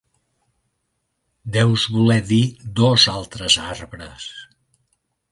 Deus voler dir dos altres arbres.